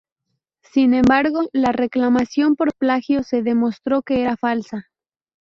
Sin embargo, la reclamación por plagio se demostró que era falsa.